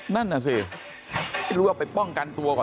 นั่นน่ะสิเอาไปป้องกันตัวก่อน